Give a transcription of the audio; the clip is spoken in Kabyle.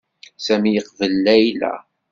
Sami yeqbel Layla.